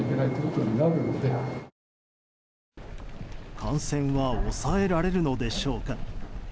感染は抑えられるのでしょうか。